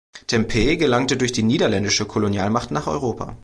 Tempeh gelangte durch die niederländische Kolonialmacht nach Europa.